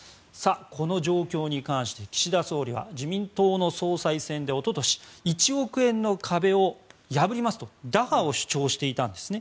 この状況に関して岸田総理は自民党の総裁選でおととし１億円の壁を破りますと打破を主張していたんですね。